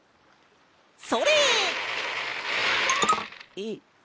えっ。